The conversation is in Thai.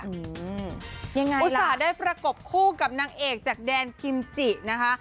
อืมยังไงอุตส่าห์ได้ประกบคู่กับนางเอกจากแดนกิมจินะคะ